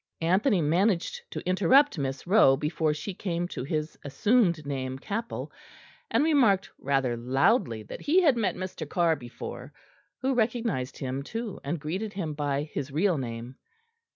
Anthony managed to interrupt Miss Rowe before she came to his assumed name Capell, and remarked rather loudly that he had met Mr. Carr before; who recognised him too, and greeted him by his real name.